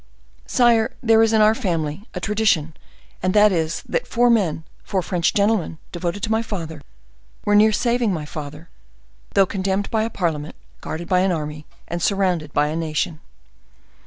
"Sire, there is in our family a tradition, and that is, that four men, four French gentlemen, devoted to my father, were near saving my father, though condemned by a parliament, guarded by an army and surrounded by a nation."